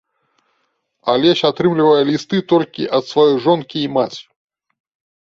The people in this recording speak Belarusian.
Алесь атрымлівае лісты толькі ад сваёй жонкі і маці.